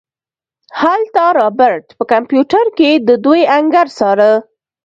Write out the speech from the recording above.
هلته رابرټ په کمپيوټر کې د دوئ انګړ څاره.